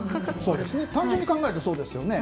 単純に考えるとそうですよね。